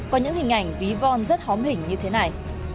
có những hình ảnh ví von rất hóm hình như thế này